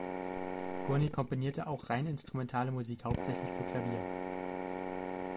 Gurney komponierte auch rein instrumentale Musik, hauptsächlich für Klavier.